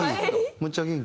むっちゃ元気。